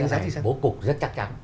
thôi phải nói cái này bố cục rất chắc chắn